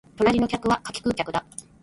隣の客は柿食う客だ